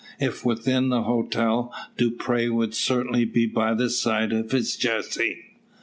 If within the hotel, Dupre would certainly be by the side of his Jessie.